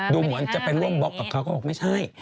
ดูเหมือนจะไปร่วมบล็อกกับเขาก็บอกไม่ใช่